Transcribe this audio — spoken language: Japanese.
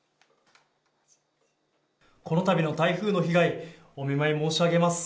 このたびの台風の被害、お見舞い申し上げます。